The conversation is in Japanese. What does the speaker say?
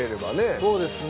そうですね。